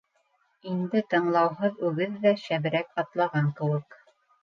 Инде тыңлауһыҙ үгеҙ ҙә шәберәк атлаған кеүек.